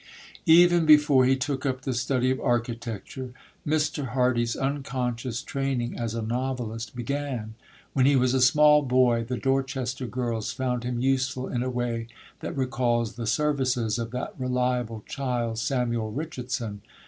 Even before he took up the study of architecture, Mr. Hardy's unconscious training as a novelist began. When he was a small boy, the Dorchester girls found him useful in a way that recalls the services of that reliable child, Samuel Richardson.